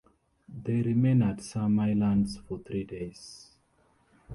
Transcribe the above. They remain at some islands for three days.